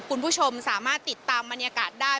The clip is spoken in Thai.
คุณผู้ชมสามารถติดตามบรรยากาศได้